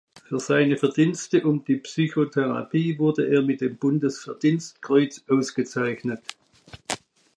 Für seine Verdienste um die Psychotherapie wurde er mit dem Bundesverdienstkreuz ausgezeichnet.